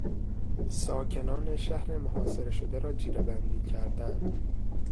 ساکنان شهر محاصره شده را جیرهبندی کردن